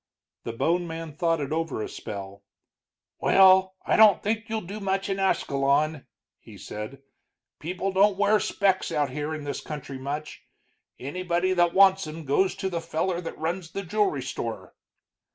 The bone man thought it over a spell. "Well, I don't think you'll do much in Ascalon," he said. "People don't wear specs out here in this country much. Anybody that wants 'em goes to the feller that runs the jewelry store."